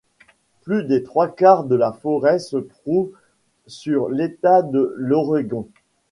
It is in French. Plus des trois quart de la forêt se trouvent sur l'État de l'Oregon.